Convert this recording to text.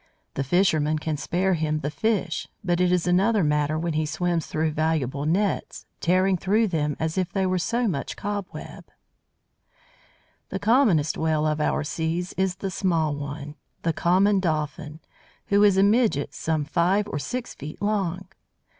The fishermen can spare him the fish. But it is another matter when he swims through valuable nets, tearing through them as if they were so much cobweb. The commonest Whale of our seas is that small one, the Common Dolphin, who is a midget some five or six feet long.